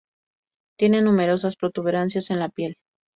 Tiene numerosas protuberancias en la piel.